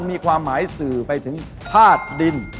มีความหมายสื่อไปถึงธาตุดิน